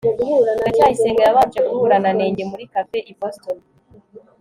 ndacyayisenga yabanje guhura na nenge muri cafe i boston